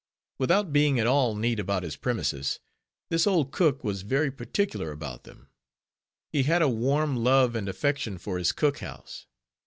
Without being at all neat about his premises, this old cook was very particular about them; he had a warm love and affection for his cook house.